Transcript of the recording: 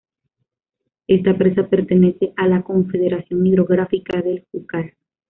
Esta presa pertenece a la Confederación Hidrográfica del Júcar